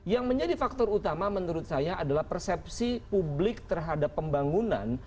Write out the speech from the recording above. yang menjadi faktor utama menurut saya adalah persepsi publik terhadap pembangunan